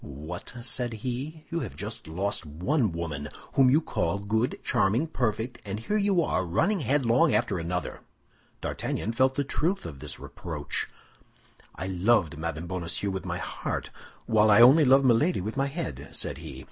"What!" said he, "you have just lost one woman, whom you call good, charming, perfect; and here you are, running headlong after another." D'Artagnan felt the truth of this reproach. "I loved Madame Bonacieux with my heart, while I only love Milady with my head," said he.